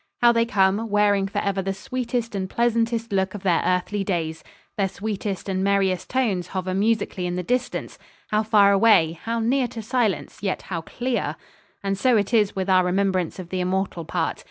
How they come, wearing for ever the sweetest and pleasantest look of their earthly days. Their sweetest and merriest tones hover musically in the distance; how far away, how near to silence, yet how clear! And so it is with our remembrance of the immortal part.